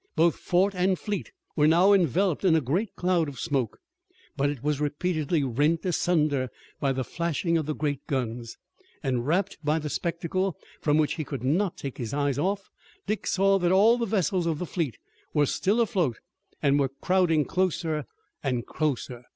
Both fort and fleet were now enveloped in a great cloud of smoke, but it was repeatedly rent asunder by the flashing of the great guns, and, rapt by the spectacle from which he could not take his eyes, Dick saw that all the vessels of the fleet were still afloat and were crowding closer and closer.